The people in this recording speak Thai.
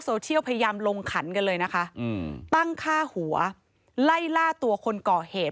เชียลพยายามลงขันกันเลยนะคะตั้งฆ่าหัวไล่ล่าตัวคนก่อเหตุ